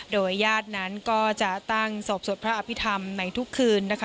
โดยญาตินั้นก็จะตั้งศพสวดพระอภิษฐรรมในทุกคืนนะคะ